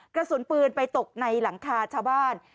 กระสุนปืนไปตกในหลังคาชาวบ้าน